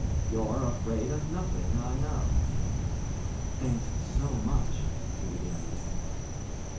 You're afraid of nothing, I know." "Thanks so much," he said again.